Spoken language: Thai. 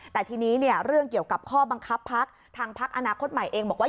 แต่ทีนี้เนี่ยเรื่องเกี่ยวกับข้อบังคับพักทางพักอนาคตใหม่เองบอกว่า